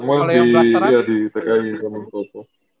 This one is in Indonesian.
iya semua di tki sama kopo